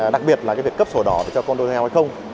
đặc biệt là việc cấp sổ đỏ cho con đôi heo hay không